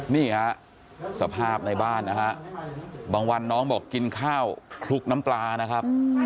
นี่ฮะสภาพในบ้านนะฮะบางวันน้องบอกกินข้าวคลุกน้ำปลานะครับ